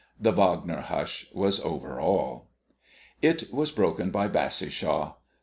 The Wagner hush was over all. It was broken by Bassishaw.